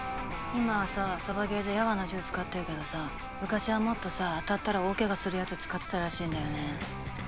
今はさサバゲーじゃやわな銃使ってるけどさ昔はもっとさ当たったら大ケガするやつ使ってたらしいんだよね。